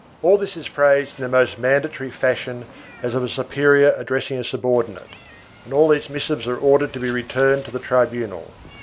All this is phrased in the most mandatory fashion as of a superior addressing a subordinate and all these missives are ordered to be returned to the tribunal.